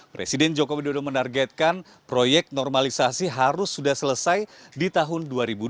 presiden joko widodo menargetkan proyek normalisasi harus sudah selesai di tahun dua ribu dua puluh